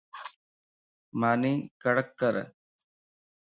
ماني ڪڙڪ ڪر